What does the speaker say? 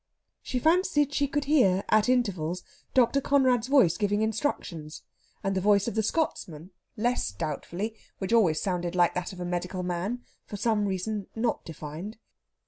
She fancied she could hear, at intervals, Dr. Conrad's voice giving instructions; and the voice of the Scotsman, less doubtfully, which always sounded like that of a medical man, for some reason not defined.